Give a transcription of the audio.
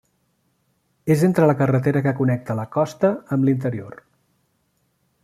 És entre la carretera que connecta la costa amb l'interior.